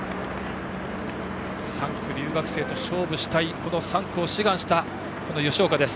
留学生と勝負したいとこの３区を志願した吉岡です。